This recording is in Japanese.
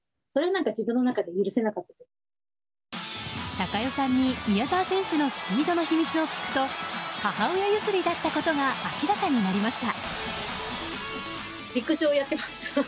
貴代さんに、宮澤選手のスピードの秘密を聞くと母親譲りだったことが明らかになりました。